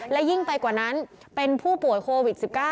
และยิ่งไปกว่านั้นเป็นผู้ป่วยโควิด๑๙